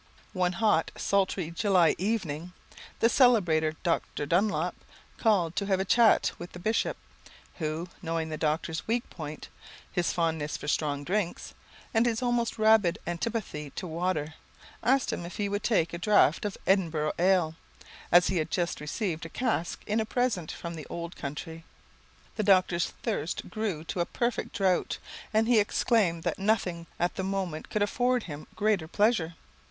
One hot, sultry July evening, the celebrated Dr. Dunlop called to have a chat with the bishop, who, knowing the doctor's weak point, his fondness for strong drinks, and his almost rabid antipathy to water, asked him if he would take a draught of Edinburgh ale, as he had just received a cask in a present from the old country. The doctor's thirst grew to a perfect drought, and he exclaimed that nothing at that moment could afford him greater pleasure.